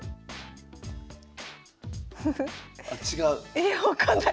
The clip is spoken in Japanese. え分かんない。